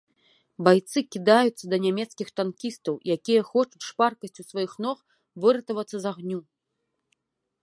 Байцы кідаюцца да нямецкіх танкістаў, якія хочуць шпаркасцю сваіх ног выратавацца з агню.